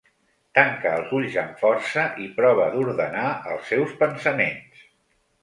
Tanca els ulls amb força i prova d'ordenar els seus pensaments.